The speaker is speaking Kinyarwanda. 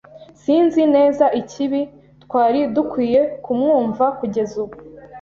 Sinzi neza ikibi. Twari dukwiye kumwumva kugeza ubu.